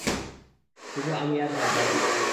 শুধু আমি আর দাদী!